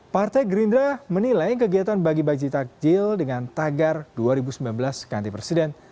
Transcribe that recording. partai gerindra menilai kegiatan bagi bagi takjil dengan tagar dua ribu sembilan belas ganti presiden